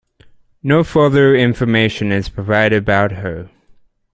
No further information is provided about her.